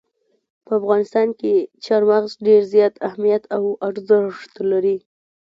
په افغانستان کې چار مغز ډېر زیات اهمیت او ارزښت لري.